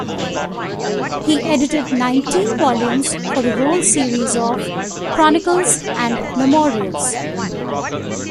He edited nineteen volumes for the Rolls series of "Chronicles and Memorials".